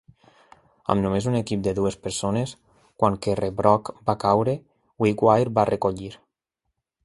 Amb només un equip de dues persones, quan Kerrebrock va caure, Wickwire va recollir.